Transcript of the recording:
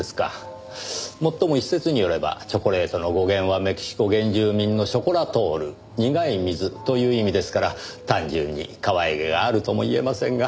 もっとも一説によればチョコレートの語源はメキシコ原住民のショコラトール「苦い水」という意味ですから単純にかわいげがあるとも言えませんが。